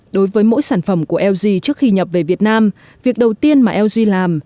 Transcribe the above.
đối với mỗi sản phẩm của lg trước khi nhập về việt nam việc đầu tiên mà lg làm